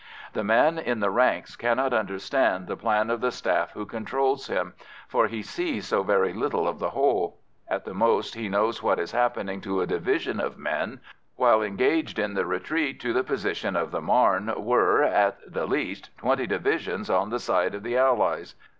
The man in the ranks cannot understand the plan of the staff who control him, for he sees so very little of the whole; at the most, he knows what is happening to a division of men, while engaged in the retreat to the position of the Marne were, at the least, twenty divisions on the side of the Allies.